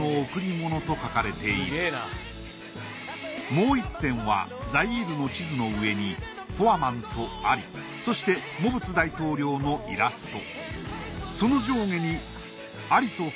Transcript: もう１点はザイールの地図の上にフォアマンとアリそしてモブツ大統領のイラスト。